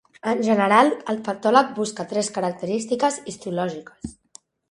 En general, el patòleg busca tres característiques histològiques.